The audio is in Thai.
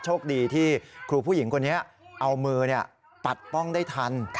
โชคดีที่ครูผู้หญิงคนนี้เอามือปัดป้องได้ทัน